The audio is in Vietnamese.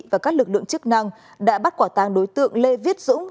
và các lực lượng chức năng đã bắt quả tàng đối tượng lê viết dũng